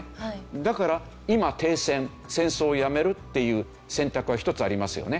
だから今停戦戦争をやめるっていう選択は一つありますよね。